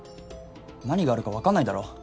何があるか分かんないだろ？